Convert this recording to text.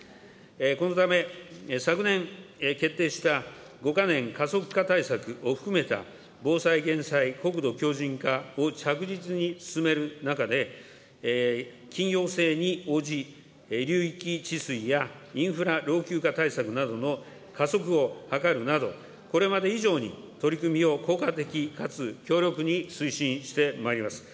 このため、昨年決定した５か年加速化対策を含めた防災・減災、国土強じん化を着実に進める中で、応じ、流域治水やインフラ老朽化対策などの加速を図るなど、これまで以上に取り組みを効果的かつ強力に推進してまいります。